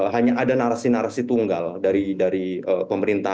hanya ada narasi narasi tunggal dari pemerintah